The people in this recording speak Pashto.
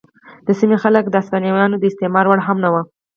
د سیمې خلک د هسپانویانو د استثمار وړ هم نه وو.